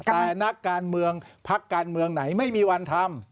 แต่นักการเมืองพักการเมืองไหนไม่มีวันทำ